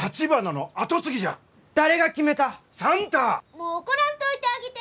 もう怒らんといてあげて。